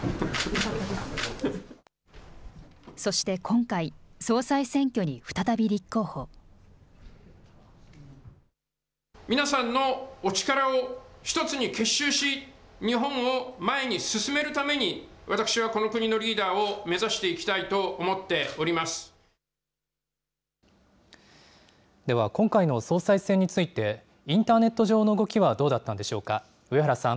そして今回、総裁選挙に再び皆さんのお力を一つに結集し、日本を前に進めるために、私はこの国のリーダーを目指していきたでは、今回の総裁選について、インターネット上の動きはどうだったんでしょうか。